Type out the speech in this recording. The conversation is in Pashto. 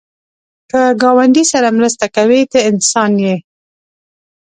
که ګاونډي سره مرسته کوې، ته انسان یې